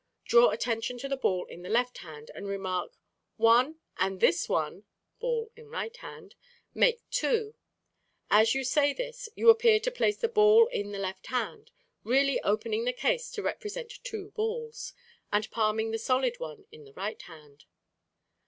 Draw attention to the ball in the left hand and remark, "One, and this one" (ball in right hand) "make two." As you say this you appear to place the ball in the left hand, really opening the case to represent two balls, and palming the solid one in the right hand.